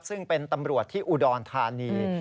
ซึ่งเป็นตำรวจที่อุดรธานี